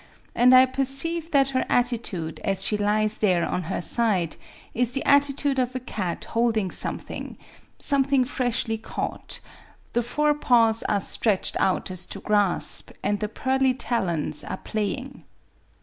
And I perceive that her attitude, as she lies there on her side, is the attitude of a cat holding something, — something freshly caught : the forepaws are stretched out as to grasp, and' the pearly talons are playing.